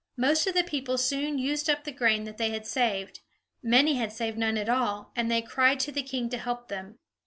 Most of the people soon used up the grain that they had saved; many had saved none at all, and they all cried to the king to help them.